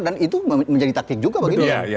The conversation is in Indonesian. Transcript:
dan itu menjadi taktik juga begitu